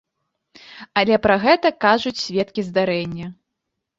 Але пра гэта кажуць сведкі здарэння.